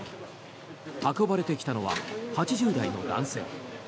運ばれてきたのは８０代の男性。